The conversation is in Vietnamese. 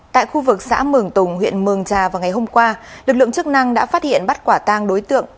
tại khu vực xã mường tùng huyện mường trà vào ngày hôm qua lực lượng chức năng đã phát hiện bắt quả tang đối tượng